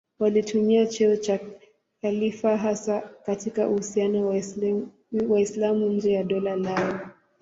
Walitumia cheo cha khalifa hasa katika uhusiano na Waislamu nje ya dola lao.